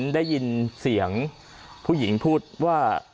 ได้ยินเสียงผู้หญิงพูดว่า